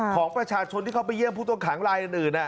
ของประชาชนที่เขาไปเยี่ยมผู้ต้องขังรายอื่น